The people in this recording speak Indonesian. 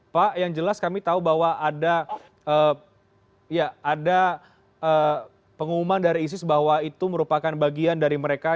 pak yang jelas kami tahu bahwa ada pengumuman dari isis bahwa itu merupakan bagian dari mereka